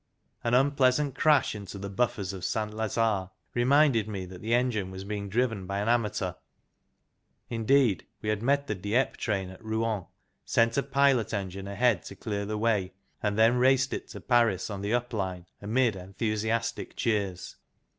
An unpleasant crash into the buffers of Saint Lazare reminded me that the engine was being driven by an amateur; indeed, we had met the Dieppe train at Rouen, sent a pilot engine ahead to clear the way, and then raced it to Paris on the up line amid enthusiastic cheers.